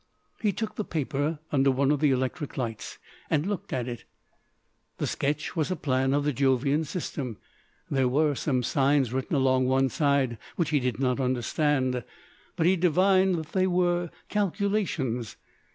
He took the paper under one of the electric lights and looked at it. The sketch was a plan of the Jovian System. There were some signs written along one side, which he did not understand, but he divined that they were calculations.